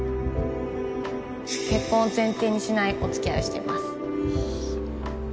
結婚を前提にしないお付き合いをしています